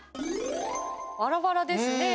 バラバラですね。